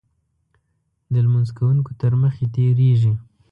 د لمونځ کوونکو تر مخې تېرېږي.